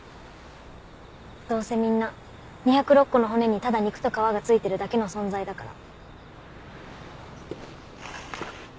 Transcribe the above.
どうせみんな２０６個の骨にただ肉と皮がついてるだけの存在だから。